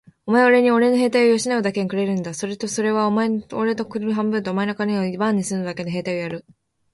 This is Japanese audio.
お前はおれにおれの兵隊を養うだけ金をくれるんだ。するとおれはお前におれの国を半分と、お前の金を番するのにたるだけの兵隊をやる。